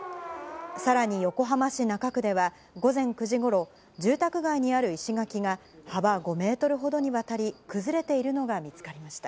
さらに横浜市中区では、午前９時ごろ、住宅街にある石垣が、幅５メートルほどにわたり崩れているのが見つかりました。